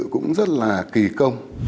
cũng rất là kỳ công